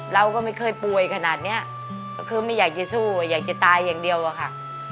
เราก็ไม่เคยป่วยขนาดนี้ก็คือไม่อยากจะสู้อยากจะตายอย่างเดียวอะค่ะ